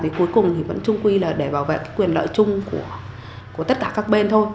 thì cuối cùng thì vẫn trung quy là để bảo vệ quyền lợi chung của tất cả các bên thôi